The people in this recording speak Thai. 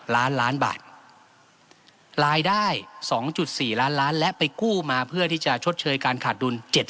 ล้านล้านบาทรายได้๒๔ล้านล้านและไปกู้มาเพื่อที่จะชดเชยการขาดดุล๗๐